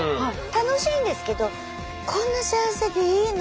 楽しいんですけど「こんな幸せでいいの？」